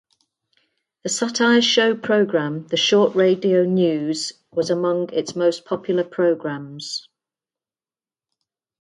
The satire show program "The Short Radio News" was among its most popular programs.